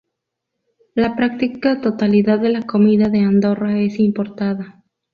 La práctica totalidad de la comida de Andorra es importada.